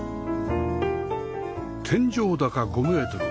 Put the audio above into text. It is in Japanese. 天井高５メートル広さ